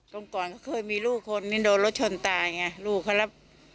ตรงก่อนเคยมีลูกคนโดนรถชนตายไงลูกเค้ารับ